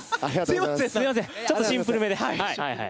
すみません、ちょっとシンプルめで。